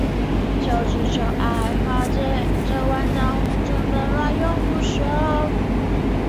第一次在审判中的表现是在有关纳粹的罪行上。